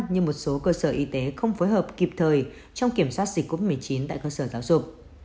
nhưng một số cơ sở y tế không phối hợp kịp thời trong kiểm soát dịch covid một mươi chín tại cơ sở giáo dục